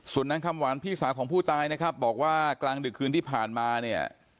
ส่วนนางคำหวานพี่สาวของผู้ตายนะครับบอกว่ากลางดึกคืนที่ผ่านมาเนี่ย